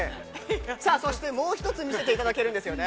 さあそしてもうひとつ見せていただけるんですね。